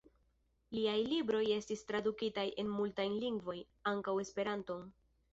Liaj libroj estis tradukitaj en multajn lingvojn, ankaŭ Esperanton.